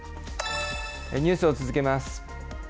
ニュースを続けます。